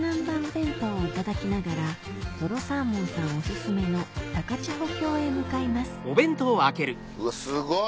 弁当をいただきながらとろサーモンさんおすすめの高千穂峡へ向かいますすごい！